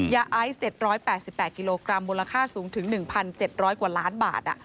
ยาไอซ์๗๘๘กิโลกรัมมูลค่าสูงถึง๑๗๐๐กว่าล้านบาท